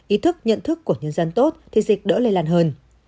ý thức nhận thức của nhân dân tốt thì dịch đỡ lây lan hơn